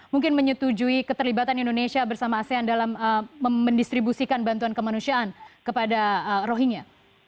mungkin menyetujui keterlibatan indonesia bersama asean dalam mendistribusikan bantuan kemanusiaan kepada rohingya